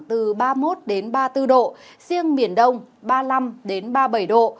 từ ba mươi một đến ba mươi bốn độ riêng miền đông ba mươi năm ba mươi bảy độ